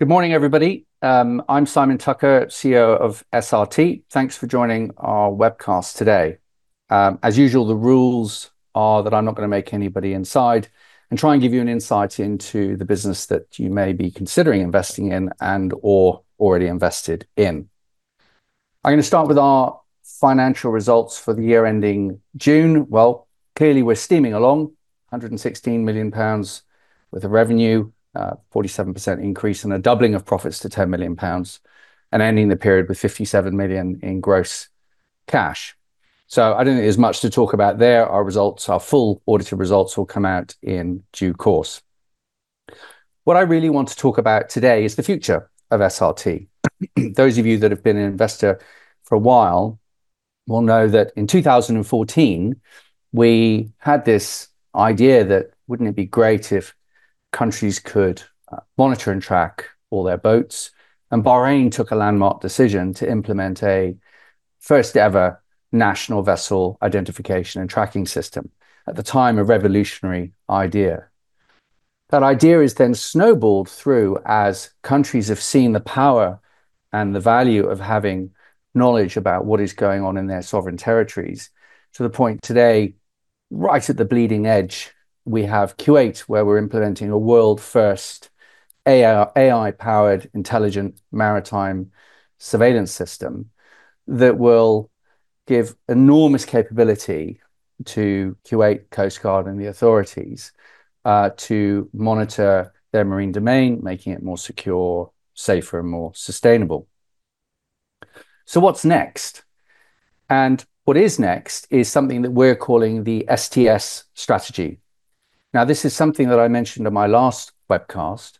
Good morning, everybody. I'm Simon Tucker, CEO of SRT. Thanks for joining our webcast today. As usual, the rules are that I'm not going to make anybody inside, and try and give you an insight into the business that you may be considering investing in and/or already invested in. I'm going to start with our financial results for the year ending June. Clearly we're steaming along 116 million pounds with a revenue, 47% increase, and a doubling of profits to 10 million pounds, and ending the period with 57 million in gross cash. I don't think there's much to talk about there. Our full audited results will come out in due course. What I really want to talk about today is the future of SRT. Those of you that have been an investor for a while will know that in 2014, we had this idea that wouldn't it be great if countries could monitor and track all their boats? Bahrain took a landmark decision to implement a first-ever national vessel identification and tracking system. At the time, a revolutionary idea. That idea has then snowballed through as countries have seen the power and the value of having knowledge about what is going on in their sovereign territories to the point today, right at the bleeding edge, we have Kuwait, where we're implementing a world first AI-powered intelligent maritime surveillance system that will give enormous capability to Kuwait Coast Guard and the authorities, to monitor their marine domain, making it more secure, safer, and more sustainable. What's next? What is next is something that we're calling the STS strategy. This is something that I mentioned on my last webcast,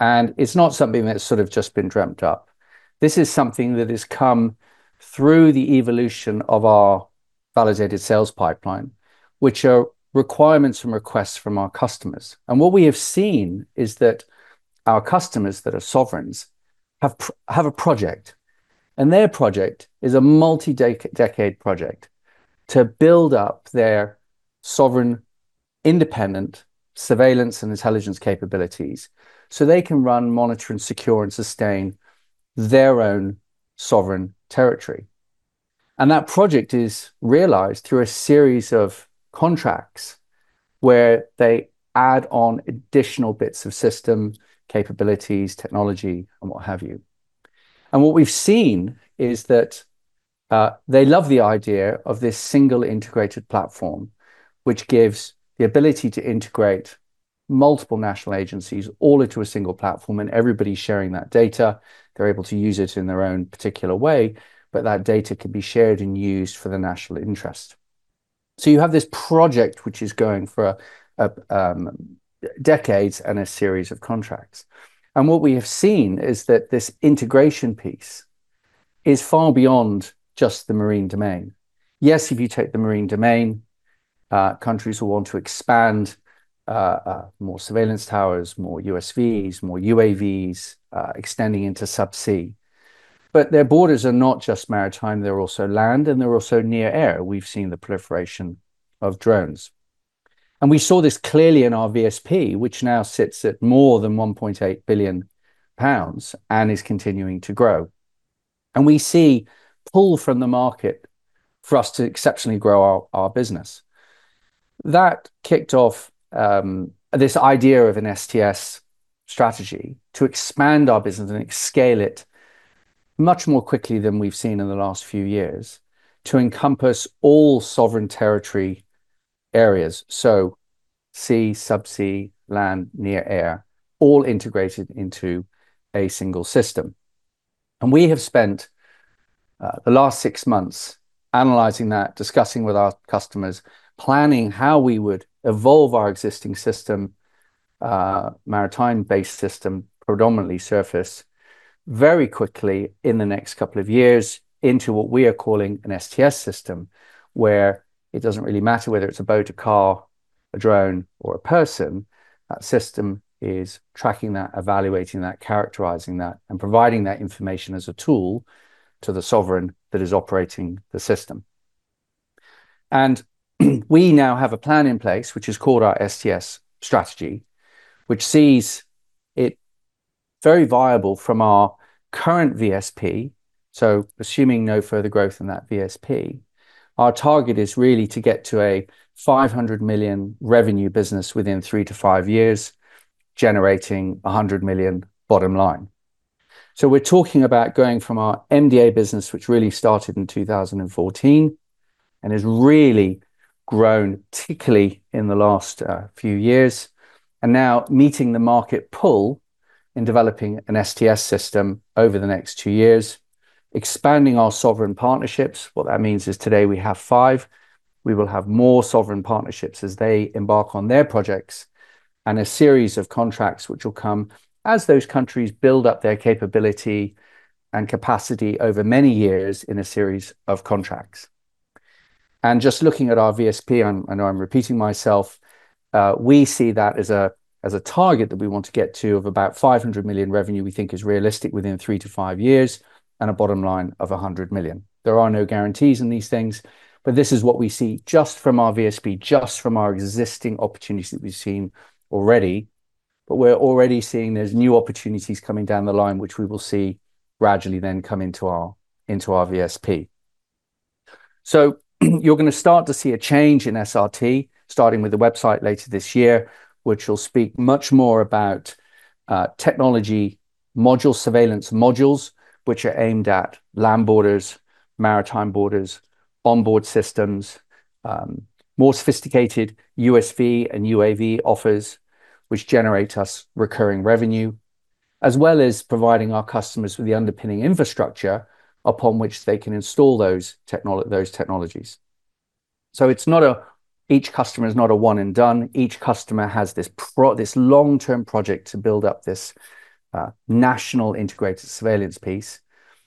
and it's not something that's sort of just been dreamt up. This is something that has come through the evolution of our validated sales pipeline, which are requirements from requests from our customers. What we have seen is that our customers that are sovereigns have a project, and their project is a multi-decade project to build up their sovereign, independent surveillance and intelligence capabilities so they can run, monitor, and secure and sustain their own sovereign territory. That project is realized through a series of contracts where they add on additional bits of system capabilities, technology, and what have you. What we've seen is that they love the idea of this single integrated platform, which gives the ability to integrate multiple national agencies all into a single platform, and everybody's sharing that data. They're able to use it in their own particular way, but that data can be shared and used for the national interest. You have this project, which is going for decades and a series of contracts. What we have seen is that this integration piece is far beyond just the marine domain. Yes, if you take the marine domain, countries will want to expand more surveillance towers, more USVs, more UAVs, extending into sub-sea. Their borders are not just maritime, they're also land, and they're also near air. We've seen the proliferation of drones. We saw this clearly in our VSP, which now sits at more than 1.8 billion pounds and is continuing to grow. We see pull from the market for us to exceptionally grow our business. That kicked off this idea of an STS strategy to expand our business and scale it much more quickly than we've seen in the last few years to encompass all sovereign territory areas, so sea, sub-sea, land, near air, all integrated into a single system. We have spent the last six months analyzing that, discussing with our customers, planning how we would evolve our existing system, maritime-based system, predominantly surface, very quickly in the next couple of years into what we are calling an STS system, where it doesn't really matter whether it's a boat, a car, a drone, or a person. That system is tracking that, evaluating that, characterizing that, and providing that information as a tool to the sovereign that is operating the system. We now have a plan in place, which is called our STS strategy, which sees it very viable from our current VSP. Assuming no further growth in that VSP, our target is really to get to a 500 million revenue business within three to five years, generating 100 million bottom line. We're talking about going from our MDA business, which really started in 2014 and has really grown, particularly in the last few years. Now meeting the market pull in developing an STS system over the next two years, expanding our sovereign partnerships. What that means is today we have five, we will have more sovereign partnerships as they embark on their projects, and a series of contracts which will come as those countries build up their capability and capacity over many years in a series of contracts. Just looking at our VSP, I know I'm repeating myself, we see that as a target that we want to get to of about 500 million revenue we think is realistic within three to five years, and a bottom line of 100 million. There are no guarantees in these things, this is what we see just from our VSP, just from our existing opportunities that we've seen already. We're already seeing there's new opportunities coming down the line, which we will see gradually then come into our VSP. You're going to start to see a change in SRT, starting with the website later this year, which will speak much more about technology module surveillance modules, which are aimed at land borders, maritime borders, onboard systems, more sophisticated USV and UAV offers, which generate us recurring revenue, as well as providing our customers with the underpinning infrastructure upon which they can install those technologies. Each customer is not a one and done. Each customer has this long-term project to build up this national integrated surveillance piece,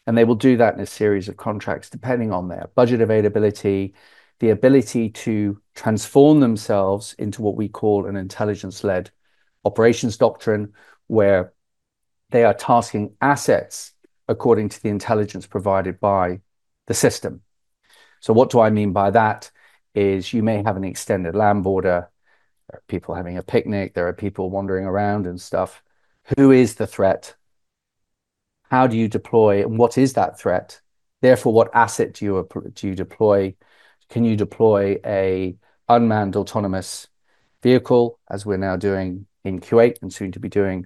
and they will do that in a series of contracts depending on their budget availability, the ability to transform themselves into what we call an intelligence-led operations doctrine, where they are tasking assets according to the intelligence provided by the system. What do I mean by that is you may have an extended land border, people having a picnic, there are people wandering around and stuff. Who is the threat? How do you deploy and what is that threat? Therefore, what asset do you deploy? Can you deploy a unmanned autonomous vehicle, as we're now doing in Kuwait and soon to be doing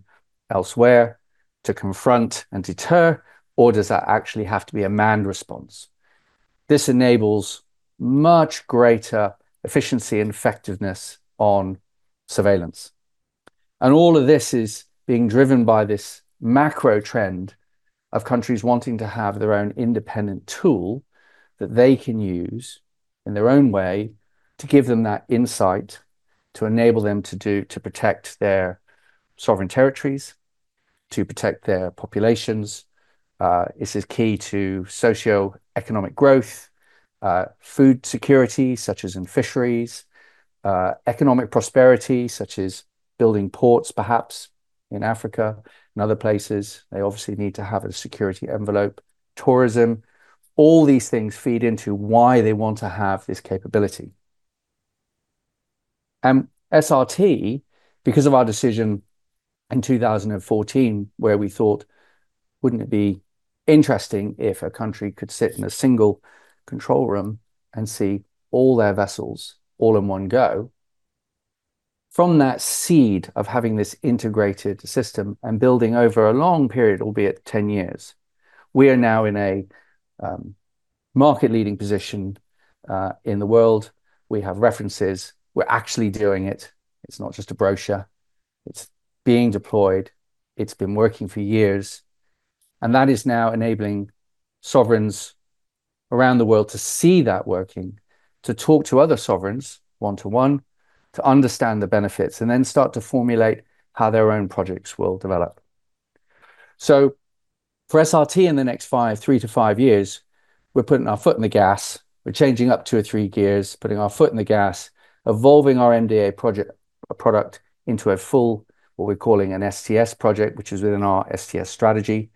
elsewhere, to confront and deter, or does that actually have to be a manned response? This enables much greater efficiency and effectiveness on surveillance. All of this is being driven by this macro trend of countries wanting to have their own independent tool that they can use in their own way to give them that insight to enable them to protect their sovereign territories, to protect their populations. This is key to socioeconomic growth, food security, such as in fisheries, economic prosperity, such as building ports, perhaps in Africa and other places. They obviously need to have a security envelope. Tourism. All these things feed into why they want to have this capability. SRT, because of our decision in 2014, where we thought, wouldn't it be interesting if a country could sit in a single control room and see all their vessels all in one go. From that seed of having this integrated system and building over a long period, albeit 10 years, we are now in a market leading position in the world. We have references. We're actually doing it. It's not just a brochure. It's being deployed. It's been working for years, that is now enabling sovereigns around the world to see that working, to talk to other sovereigns one-to-one, to understand the benefits, then start to formulate how their own projects will develop. For SRT in the next three to five years, we're putting our foot in the gas. We're changing up two or three gears, putting our foot in the gas, evolving our MDA product into a full, what we're calling an STS project, which is within our STS strategy.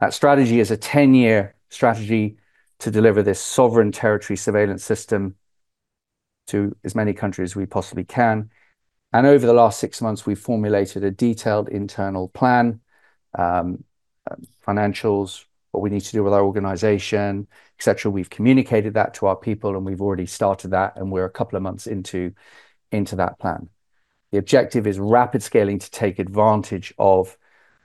That strategy is a 10-year strategy to deliver this sovereign territory surveillance system to as many countries we possibly can. Over the last six months, we've formulated a detailed internal plan, financials, what we need to do with our organization, et cetera. We've communicated that to our people, we've already started that, we're a couple of months into that plan. The objective is rapid scaling to take advantage of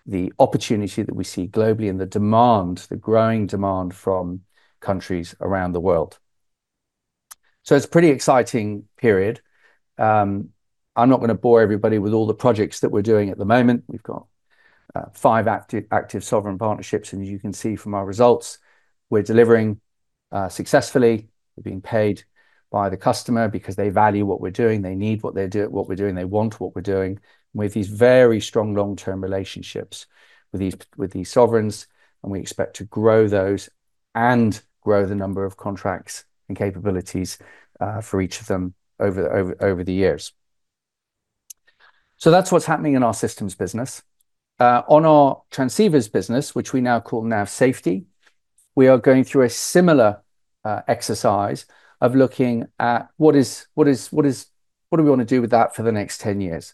the opportunity that we see globally and the demand, the growing demand from countries around the world. It's a pretty exciting period. I'm not going to bore everybody with all the projects that we're doing at the moment. We've got five active sovereign partnerships, as you can see from our results, we're delivering successfully. We're being paid by the customer because they value what we're doing. They need what we're doing. They want what we're doing. We have these very strong long-term relationships with these sovereigns, we expect to grow those and grow the number of contracts and capabilities for each of them over the years. That's what's happening in our systems business. On our transceivers business, which we now call Nav Safety, we are going through a similar exercise of looking at what do we want to do with that for the next 10 years.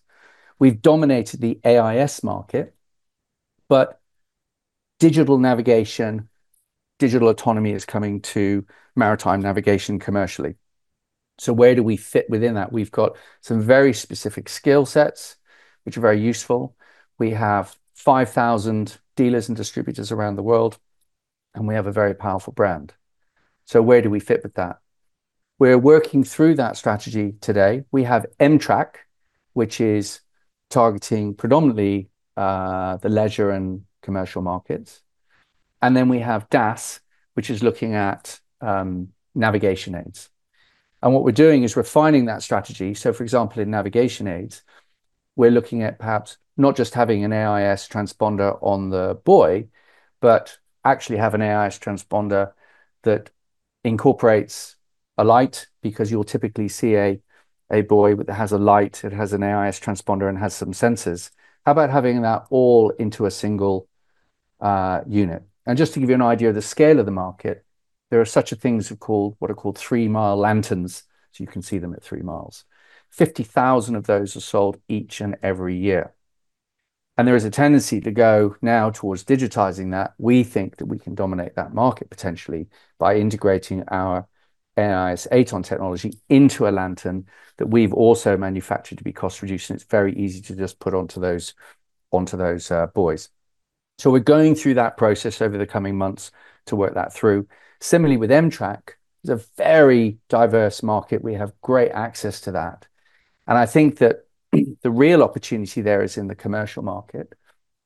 We've dominated the AIS market. Digital navigation, digital autonomy is coming to maritime navigation commercially. Where do we fit within that? We've got some very specific skill sets which are very useful. We have 5,000 dealers and distributors around the world. We have a very powerful brand. Where do we fit with that? We're working through that strategy today. We have em-trak, which is targeting predominantly the leisure and commercial markets. We have DAS, which is looking at navigation aids. What we're doing is refining that strategy. For example, in navigation aids, we're looking at perhaps not just having an AIS transponder on the buoy, but actually have an AIS transponder that incorporates a light, because you'll typically see a buoy that has a light, it has an AIS transponder, and has some sensors. How about having that all into a single unit? Just to give you an idea of the scale of the market, there are such a things what are called 3-mi lanterns, so you can see them at 3 mi. 50,000 of those are sold each and every year. There is a tendency to go now towards digitizing that. We think that we can dominate that market potentially by integrating our AIS AtoN technology into a lantern that we've also manufactured to be cost-reducing. It's very easy to just put onto those buoys. We're going through that process over the coming months to work that through. Similarly with em-trak, it's a very diverse market. We have great access to that. I think that the real opportunity there is in the commercial market,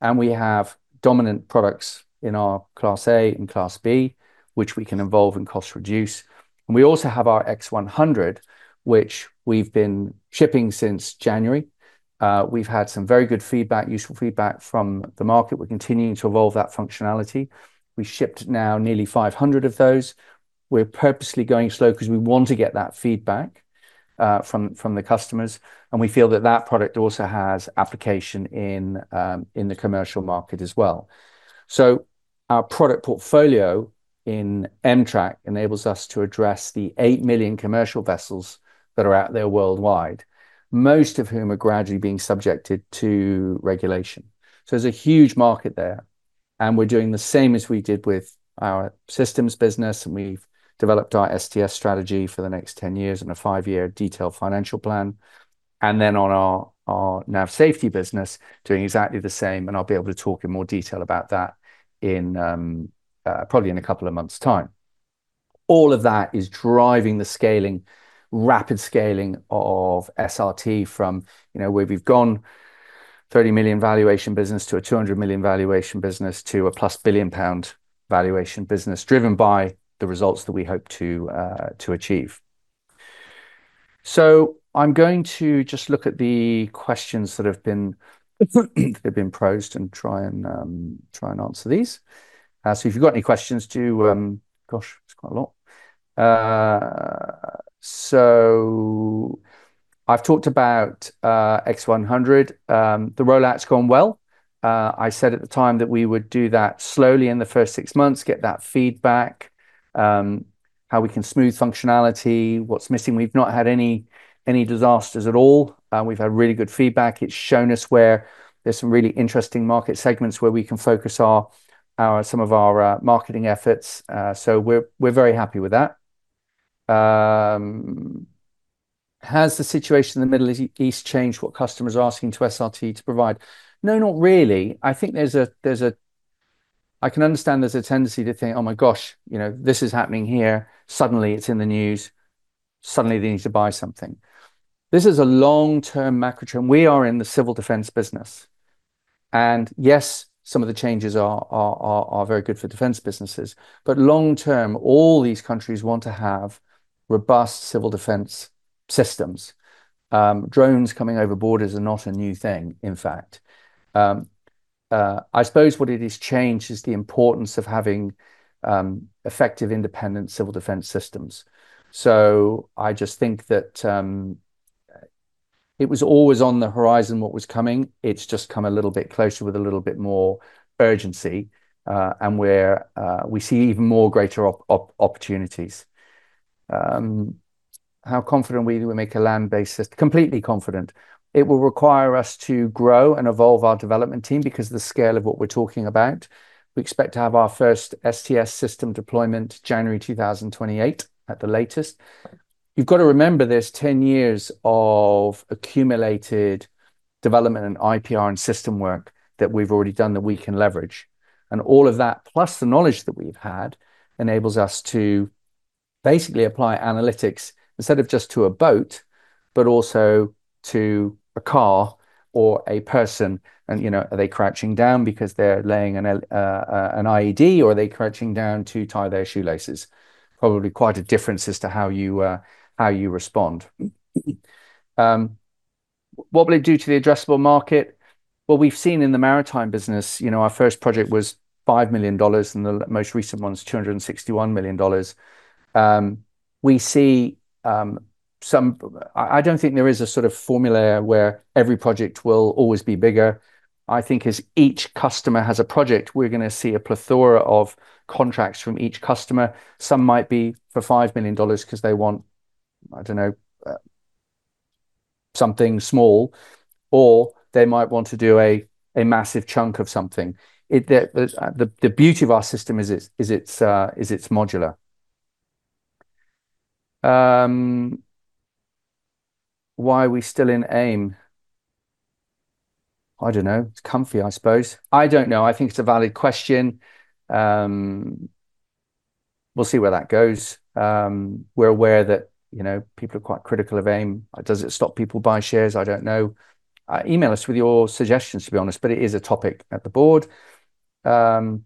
and we have dominant products in our Class A and Class B, which we can evolve and cost reduce. We also have our X100, which we've been shipping since January. We've had some very good feedback, useful feedback from the market. We're continuing to evolve that functionality. We've shipped now nearly 500 of those. We're purposely going slow because we want to get that feedback from the customers. We feel that that product also has application in the commercial market as well. Our product portfolio in em-trak enables us to address the 8 million commercial vessels that are out there worldwide, most of whom are gradually being subjected to regulation. There's a huge market there, and we're doing the same as we did with our systems business, and we've developed our STS strategy for the next 10 years and a five-year detailed financial plan. On our Nav Safety business, doing exactly the same, and I'll be able to talk in more detail about that probably in a couple of months' time. All of that is driving the rapid scaling of SRT from where we've gone 30 million valuation business to a 200 million valuation business to +1 billion pound valuation business, driven by the results that we hope to achieve. I'm going to just look at the questions that have been posed and try and answer these. If you've got any questions to-- Gosh, it's quite a lot. I've talked about X100. The rollout's gone well. I said at the time that we would do that slowly in the first six months, get that feedback, how we can smooth functionality, what's missing. We've not had any disasters at all. We've had really good feedback. It's shown us where there's some really interesting market segments where we can focus some of our marketing efforts. We're very happy with that. Has the situation in the Middle East changed what customers are asking SRT to provide? No, not really. I can understand there's a tendency to think, oh my gosh, this is happening here. Suddenly it's in the news. Suddenly they need to buy something. This is a long-term macro trend. We are in the civil defense business. Yes, some of the changes are very good for defense businesses. Long term, all these countries want to have robust civil defense systems. Drones coming over borders are not a new thing, in fact. I suppose what it has changed is the importance of having effective, independent civil defense systems. I just think that it was always on the horizon what was coming. It's just come a little bit closer with a little bit more urgency, and we see even more greater opportunities. How confident are we that we make a land-based system? Completely confident. It will require us to grow and evolve our development team because of the scale of what we're talking about. We expect to have our first STS system deployment January 2028 at the latest. You've got to remember there's 10 years of accumulated development and IPR and system work that we've already done that we can leverage. All of that, plus the knowledge that we've had, enables us to basically apply analytics instead of just to a boat, but also to a car or a person and, are they crouching down because they're laying an IED or are they crouching down to tie their shoelaces? Probably quite a difference as to how you respond. What will it do to the addressable market? What we've seen in the maritime business, our first project was $5 million, and the most recent one's $261 million. I don't think there is a sort of formula where every project will always be bigger. I think as each customer has a project, we're going to see a plethora of contracts from each customer. Some might be for $5 million because they want, I don't know, something small, or they might want to do a massive chunk of something. The beauty of our system is it's modular. Why are we still in AIM? I don't know. It's comfy, I suppose. I don't know. I think it's a valid question. We'll see where that goes. We're aware that people are quite critical of AIM. Does it stop people buying shares? I don't know. Email us with your suggestions, to be honest, but it is a topic at the board. I've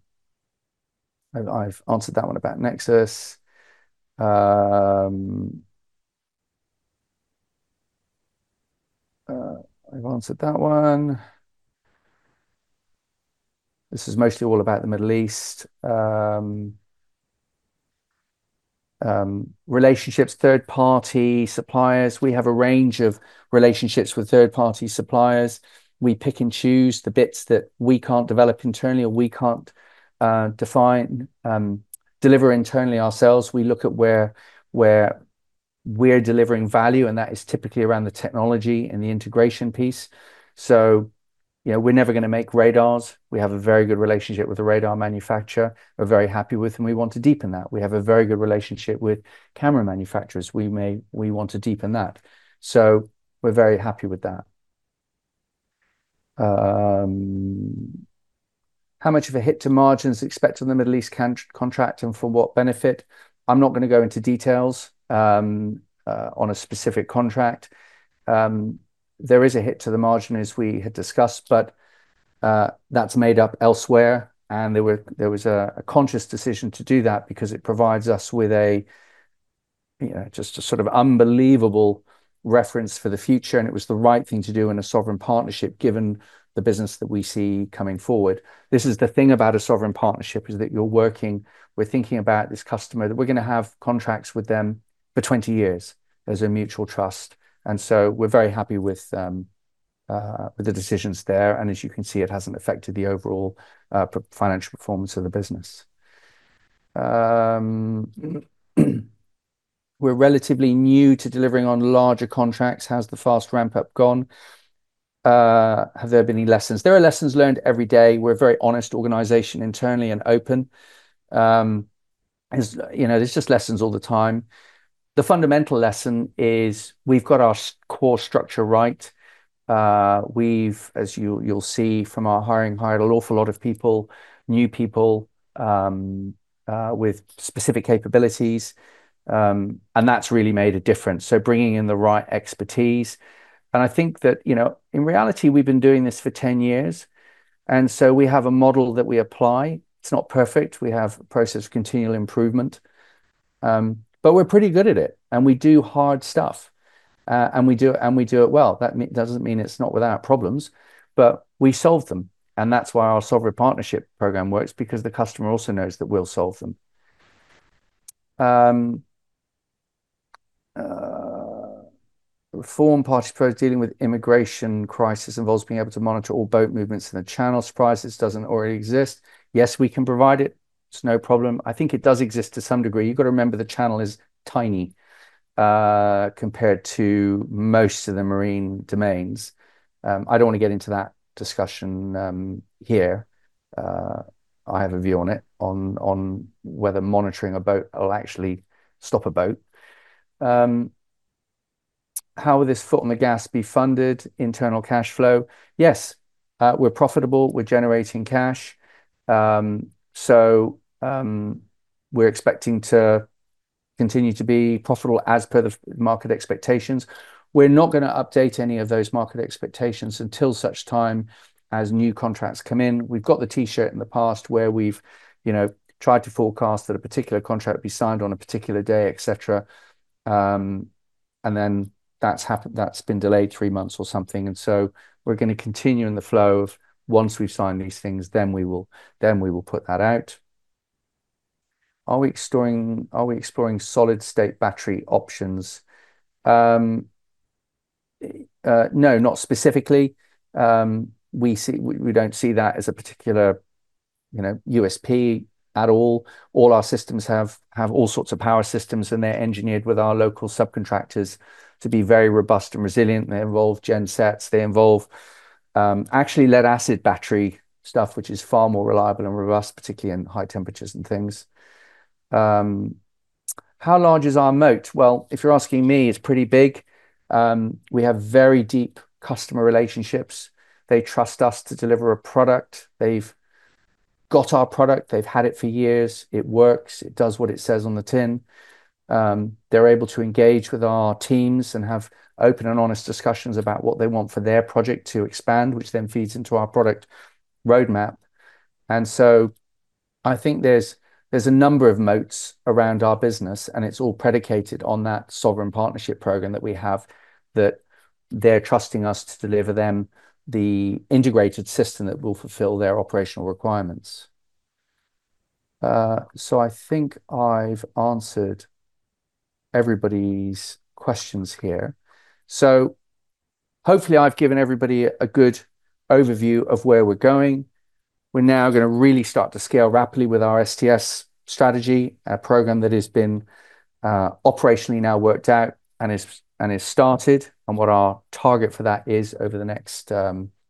answered that one about NEXUS. I've answered that one. This is mostly all about the Middle East. Relationships, third-party suppliers. We have a range of relationships with third-party suppliers. We pick and choose the bits that we can't develop internally or we can't deliver internally ourselves. We look at where we're delivering value, and that is typically around the technology and the integration piece. We're never going to make radars. We have a very good relationship with the radar manufacturer. We're very happy with them, we want to deepen that. We have a very good relationship with camera manufacturers. We want to deepen that. We're very happy with that. "How much of a hit to margins expect on the Middle East contract, and for what benefit?" I'm not going to go into details on a specific contract. There is a hit to the margin as we had discussed, but that's made up elsewhere and there was a conscious decision to do that because it provides us with just a sort of unbelievable reference for the future, and it was the right thing to do in a Sovereign Partnership, given the business that we see coming forward. This is the thing about a Sovereign Partnership, is that you're working with thinking about this customer, that we're going to have contracts with them for 20 years. There's a mutual trust, and we're very happy with the decisions there. As you can see, it hasn't affected the overall financial performance of the business. "We're relatively new to delivering on larger contracts. How's the fast ramp-up gone? Have there been any lessons?" There are lessons learned every day. We're a very honest organization internally, and open. There's just lessons all the time. The fundamental lesson is we've got our core structure right. We've, as you'll see from our hiring, hired an awful lot of people, new people with specific capabilities. That's really made a difference. Bringing in the right expertise. I think that, in reality, we've been doing this for 10 years, and we have a model that we apply. It's not perfect. We have a process of continual improvement. We're pretty good at it, and we do hard stuff. We do it well. That doesn't mean it's not without problems, but we solve them, and that's why our Sovereign Partnership Programme works because the customer also knows that we'll solve them. "Reform party approach dealing with immigration crisis involves being able to monitor all boat movements in the channel. Surprised this doesn't already exist." Yes, we can provide it. It's no problem. I think it does exist to some degree. You've got to remember the channel is tiny compared to most of the marine domains. I don't want to get into that discussion here. I have a view on it, on whether monitoring a boat will actually stop a boat. "How will this foot on the gas be funded? Internal cash flow?" Yes. We're profitable. We're generating cash. We're expecting to continue to be profitable as per the market expectations. We're not going to update any of those market expectations until such time as new contracts come in. We've got the T-shirt in the past where we've tried to forecast that a particular contract be signed on a particular day, et cetera, and then that's been delayed three months or something. We're going to continue in the flow of once we've signed these things, then we will put that out. "Are we exploring solid-state battery options?" No, not specifically. We don't see that as a particular USP at all. All our systems have all sorts of power systems, and they're engineered with our local subcontractors to be very robust and resilient. They involve gensets. They involve actually lead-acid battery stuff, which is far more reliable and robust, particularly in high temperatures and things. "How large is our moat?" Well, if you're asking me, it's pretty big. We have very deep customer relationships. They trust us to deliver a product. They've got our product. They've had it for years. It works. It does what it says on the tin. They're able to engage with our teams and have open and honest discussions about what they want for their project to expand, which then feeds into our product roadmap. I think there's a number of moats around our business, and it's all predicated on that Sovereign Partnership Programme that we have, that they're trusting us to deliver them the integrated system that will fulfill their operational requirements. I think I've answered everybody's questions here. Hopefully I've given everybody a good overview of where we're going. We're now going to really start to scale rapidly with our STS strategy, a program that has been operationally now worked out and is started, and what our target for that is over the next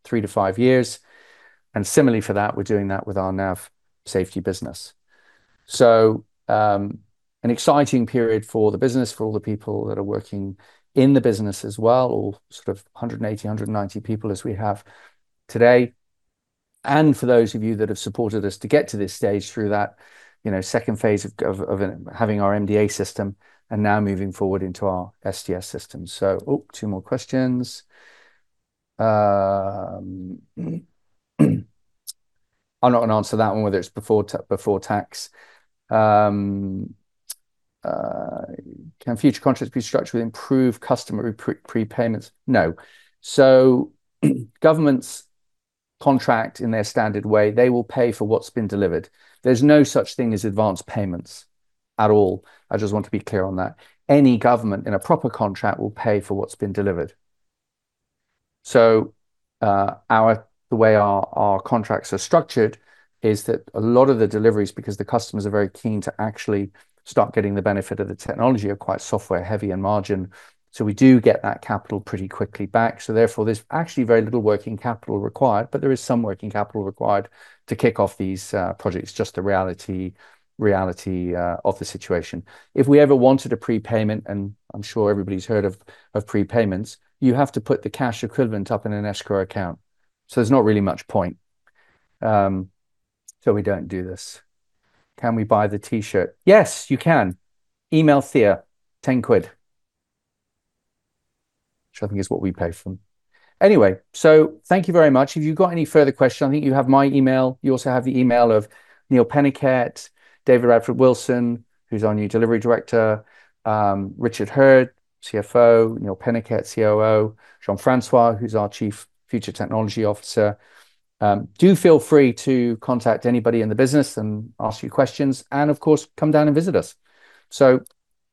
three to five years. Similarly for that, we're doing that with our Nav Safety business. An exciting period for the business, for all the people that are working in the business as well, all sort of 180, 190 people as we have today. For those of you that have supported us to get to this stage through that second phase of having our MDA system and now moving forward into our STS system. Oh, two more questions. I'm not going to answer that one, whether it's before tax. "Can future contracts be structured with improved customer prepayments?" No. Governments contract in their standard way. They will pay for what's been delivered. There's no such thing as advanced payments at all. I just want to be clear on that. Any government in a proper contract will pay for what's been delivered. The way our contracts are structured is that a lot of the deliveries, because the customers are very keen to actually start getting the benefit of the technology, are quite software heavy in margin. We do get that capital pretty quickly back. Therefore, there's actually very little working capital required, but there is some working capital required to kick off these projects, just the reality of the situation. If we ever wanted a prepayment, and I'm sure everybody's heard of prepayments, you have to put the cash equivalent up in an escrow account. There's not really much point. We don't do this. "Can we buy the T-shirt?" Yes, you can. Email THEA, 10 quid. Which I think is what we pay for them. Anyway, thank you very much. If you've got any further questions, I think you have my email. You also have the email of Neil Peniket, David Radford-Wilson, who's our new delivery director, Richard Hurd, CFO, Neil Peniket, COO, Jean-François, who's our Chief Future Technology Officer. Do feel free to contact anybody in the business and ask your questions and, of course, come down and visit us.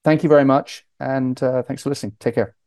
Thank you very much and thanks for listening. Take care. Bye-bye.